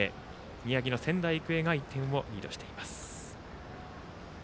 宮城の仙台育英が１点をリードしています。